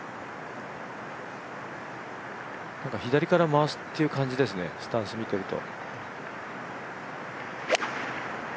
左から回すという感じですね、スタンスを見ていると。